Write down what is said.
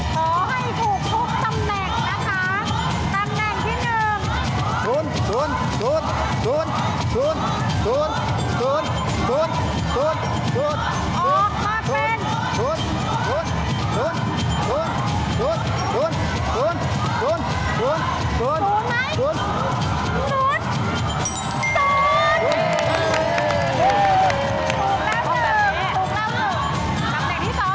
ขอให้ถูกครบตำแหน่งนะคะ